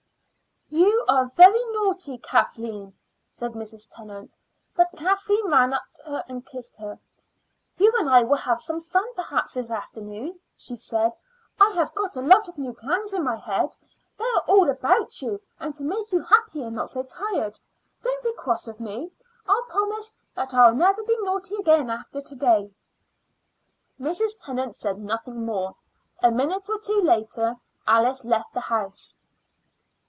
"You are very naughty, Kathleen," said Mrs. Tennant, but Kathleen ran up to her and kissed her. "You and I will have some fun, perhaps, this afternoon," she said. "I have got a lot of new plans in my head; they are all about you, and to make you happy and not so tired. Don't be cross with me. I'll promise that I will never be naughty again after to day." Mrs. Tennant said nothing more. A minute or two later Alice left the house.